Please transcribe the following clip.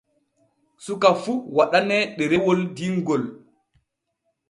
Suka fu waɗanee ɗerewol dinŋol.